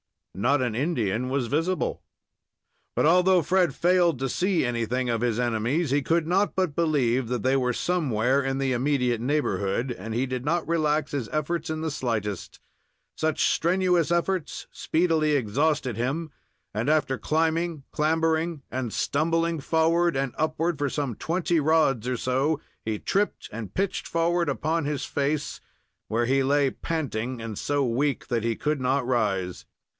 Not an Indian was visible. But although Fred failed to see anything of his enemies, he could not but believe that they were somewhere in the immediate neighborhood, and he did not relax his efforts in the slightest. Such strenuous efforts speedily exhausted him, and after climbing, clambering, and stumbling forward and upward for some twenty rods or so, he tripped and pitched forward upon his face, where he lay panting, and so weak that he could not rise.